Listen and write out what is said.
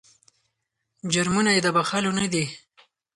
جرمونه یې د بخښلو نه دي.